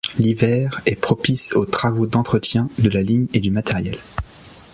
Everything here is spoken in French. L'hiver est propice aux travaux d'entretien de la ligne et du matériel.